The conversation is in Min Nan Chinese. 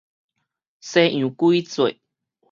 西洋鬼節